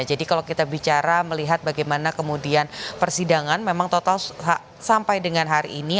jadi kalau kita bicara melihat bagaimana kemudian persidangan memang total sampai dengan hari ini